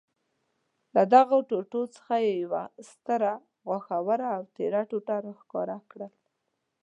له دغو ټوټو څخه یې یوه ستره، غاښوره او تېره ټوټه را ښکاره کړل.